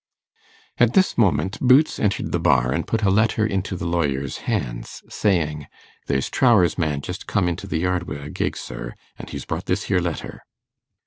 At this moment Boots entered the bar, and put a letter into the lawyer's hands, saying, 'There's Trower's man just come into the yard wi' a gig, sir, an' he's brought this here letter.